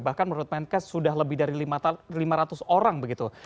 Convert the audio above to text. bahkan menurut menkes sudah lebih dari lima ratus orang begitu